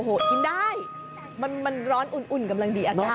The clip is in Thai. โอ้โหกินได้มันร้อนอุ่นกำลังดีอากาศ